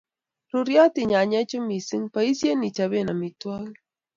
Ruryotin nyanyechu missing', poisyen ichopee amitwogik.